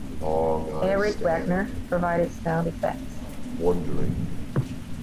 Eric Wagers provided sound effects.